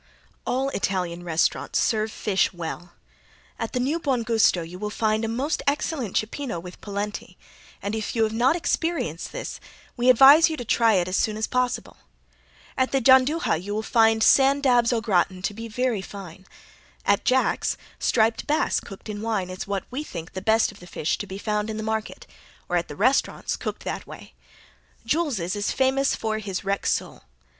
All Italian restaurants serve fish well. At the New Buon Gusto you will find a most excellent cippino with polenti, and if you have not experienced this we advise you to try it as soon as possible. At the Gianduja you will find sand dabs au gratin to be very fine. At Jack's, striped bass cooked in wine is what we think the best of the fish to be found in the market, or at the restaurants, cooked that way. Jule's is famous for his Rex sole.